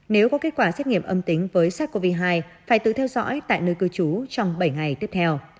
nếu có kết quả xét nghiệm âm tính với sars cov hai phải tự theo dõi tại nơi cư trú trong bảy ngày tiếp theo